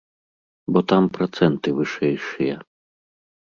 Бо там працэнты вышэйшыя.